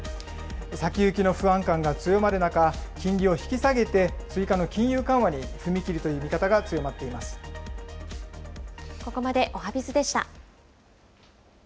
先行きの不安感が強まる中、金利を引き下げて追加の金融緩和に踏み切るという見方が強まってここまでおはＢｉｚでした。